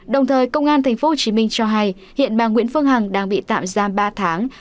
đồng thời công an thành phố hồ chí minh cho hay hiện bà nguyễn phương hằng đang bị tạm giam ba tháng